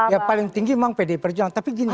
yang paling tinggi memang pdi perjuangan tapi gini